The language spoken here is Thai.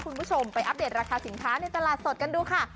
คุณผู้ชมไปอัปเดตราคาสินค้าในตลาดสดกันดูค่ะ